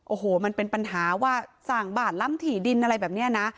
โอ้โหมันเป็นปัญหาว่าสร้างบ้านล้ำถี่ดินอะไรแบบนี้นะ